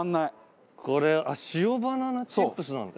あっ塩バナナチップスなんだ。